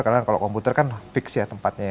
karena kalau komputer kan fix ya tempatnya